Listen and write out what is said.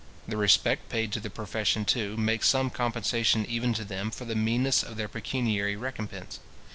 The respect paid to the profession, too, makes some compensation even to them for the meanness of their pecuniary recompence.